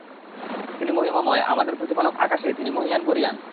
তিনি মহিমময়, আমাদের প্রতিপালক আকাশে, তিনি মহীয়ান গরীয়ান।